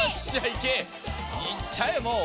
いっちゃえもう。